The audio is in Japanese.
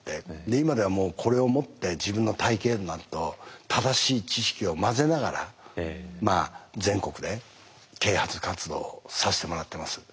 で今ではもうこれを持って自分の体験談と正しい知識を交ぜながら全国で啓発活動をさせてもらってます。